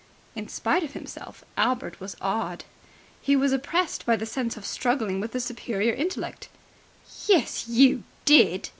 In spite of himself Albert was awed. He was oppressed by the sense of struggling with a superior intellect. "Yes, you did!"